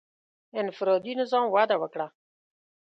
• انفرادي نظام وده وکړه.